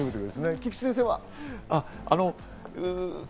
菊地先生は？